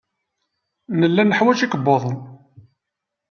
Nella neḥwaj ikebbuḍen.